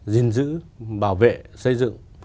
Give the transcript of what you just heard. gìn giữ bảo vệ xây dựng